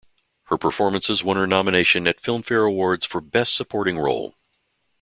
Her performances won her nomination at Filmfare Awards for Best Supporting Role.